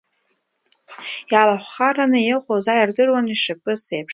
Иалахәхараны иҟоу заа ирдыруан, ишаԥыз еиԥш.